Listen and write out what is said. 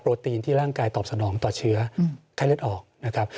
ตีนที่ร่างกายตอบสนองต่อเชื้อไข้เลือดออกนะครับ